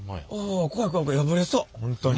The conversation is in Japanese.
怖い怖い怖い破れそう。